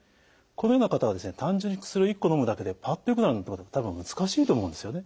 このような方は単純に薬を１個のむだけでパッとよくなるなんてことは多分難しいと思うんですよね。